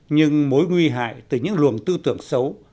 nhưng mối nguy hại từ những luồng tư tưởng xấu